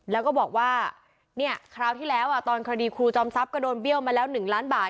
แล้วก็บอกว่าเนี่ยคราวที่แล้วตอนคดีครูจอมทรัพย์ก็โดนเบี้ยวมาแล้ว๑ล้านบาท